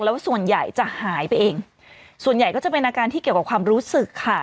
แล้วส่วนใหญ่จะหายไปเองส่วนใหญ่ก็จะเป็นอาการที่เกี่ยวกับความรู้สึกค่ะ